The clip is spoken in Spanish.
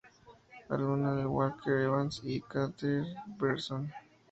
Alumna de Walker Evans y de Cartier-Bresson.